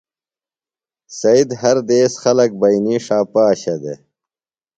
سید ہر دیس خلکہ بئینی ݜا پاشہ دےۡ۔